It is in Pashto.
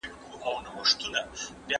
مثبت فکر روغتیا نه کموي.